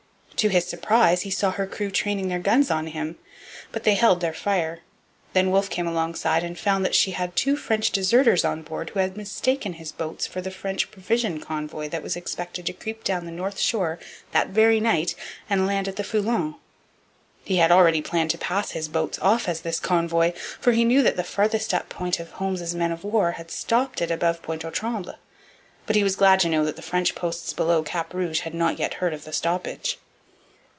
To his surprise he saw her crew training their guns on him. But they held their fire. Then Wolfe came alongside and found that she had two French deserters on board who had mistaken his boats for the French provision convoy that was expected to creep down the north shore that very night and land at the Foulon. He had already planned to pass his boats off as this convoy; for he knew that the farthest up of Holmes's men of war had stopped it above Pointe aux Trembles. But he was glad to know that the French posts below Cap Rouge had not yet heard of the stoppage.